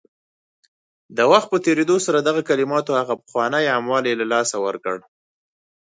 د وخت په تېرېدو سره دغه کلماتو هغه پخوانی عام والی له لاسه ورکړ